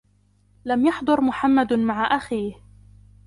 لَمْ يَحْضُرْ مُحَمَّدٌ مَعَ أَخِيه.